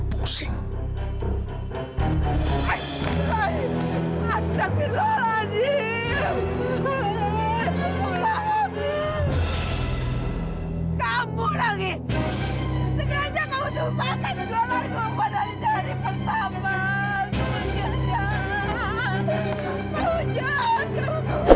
pusing hai hai astagfirullahaladzim